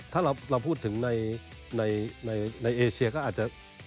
ถ้าเราพูดถึงในเอเชียก็อาจจะ